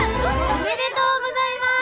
おめでとうございます！